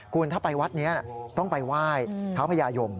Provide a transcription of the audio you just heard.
คุณถ้าไปวัดนี้ต้องไปไหว้เท้าพญายม